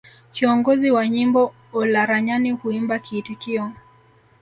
Kiongozi wa nyimbo Olaranyani huimba kiitikio